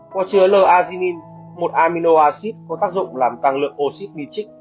có chứa l azinin một amino acid có tác dụng làm tăng lượng oxy p trích